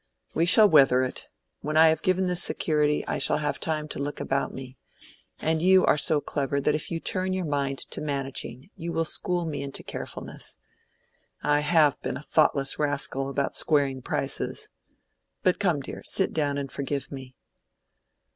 We shall weather it. When I have given this security I shall have time to look about me; and you are so clever that if you turn your mind to managing you will school me into carefulness. I have been a thoughtless rascal about squaring prices—but come, dear, sit down and forgive me."